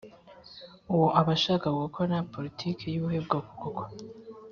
Uwo aba ashaka gukora politiki y'ubuhe bwoko koko?